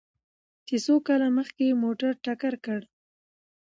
چې څو کاله مخکې يې موټر ټکر کړ؟